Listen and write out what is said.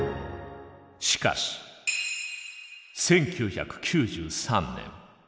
しかし１９９３年。